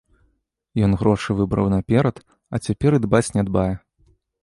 Ён грошы выбраў наперад, а цяпер і дбаць не дбае.